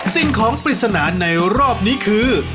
สิ่งของปริศนาในรอบนี้คือ